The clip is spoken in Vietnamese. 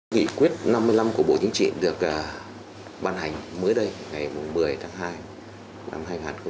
nghị quyết năm mươi năm của bộ chính trị được ban hành mới đây ngày một mươi tháng hai năm hai nghìn hai mươi